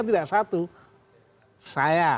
tidak satu saya